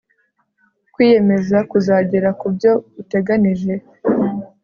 kwiyemeza kuzagera ku byo uteganije